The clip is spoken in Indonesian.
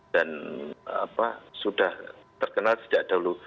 dan sudah terkenal sejak dahulu